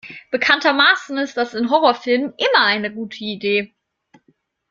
Bekanntermaßen ist das in Horrorfilmen immer eine gute Idee.